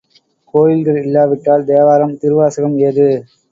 கோயில்கள் இல்லாவிட்டால் தேவாரம், திருவாசகம் ஏது?